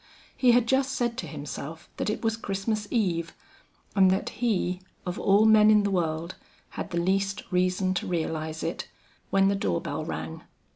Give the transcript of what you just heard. He had just said to himself that it was Christmas eve, and that he, of all men in the world, had the least reason to realize it, when the door bell rang.